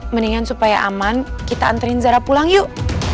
mendingan supaya aman kita antriin zara pulang yuk